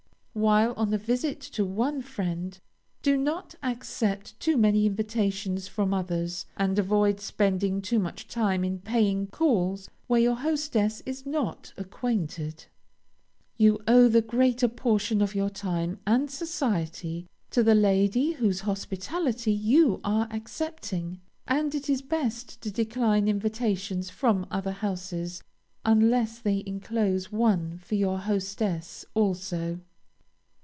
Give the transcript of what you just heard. While on a visit to one friend, do not accept too many invitations from others, and avoid spending too much time in paying calls where your hostess is not acquainted. You owe the greater portion of your time and society to the lady whose hospitality you are accepting, and it is best to decline invitations from other houses, unless they inclose one for your hostess also.